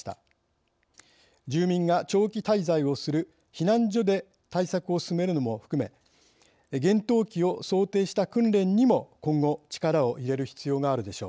住民が長期滞在をする避難所で対策を進めるのも含め厳冬期を想定した訓練にも今後力を入れる必要があるでしょう。